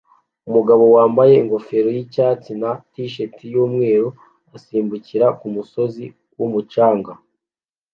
Umugabo wambaye ingofero yicyatsi na t-shirt yumweru asimbukira kumusozi wumucanga